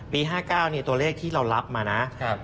๕๙ตัวเลขที่เรารับมานะ